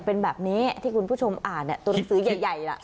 เป็นแบบนี้ที่คุณผู้ชมอ่านตัวหนังสือใหญ่ล่ะ